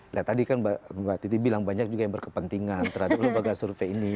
nah tadi kan mbak titi bilang banyak juga yang berkepentingan terhadap lembaga survei ini